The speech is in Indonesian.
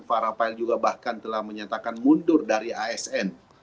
pak rafael juga bahkan telah menyatakan mundur dari asn